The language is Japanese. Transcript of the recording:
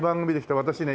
私ね